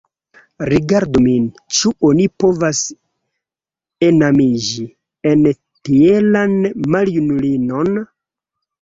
Rigardu min: ĉu oni povas enamiĝi en tielan maljunulinon?